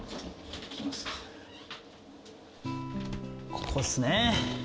ここですね。